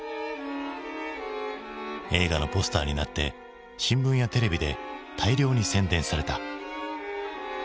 映画のポスターになって新聞やテレビで大量に宣伝された。